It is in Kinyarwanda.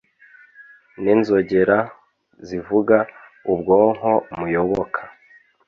n'inzogera zivuga ubwonko muyoboka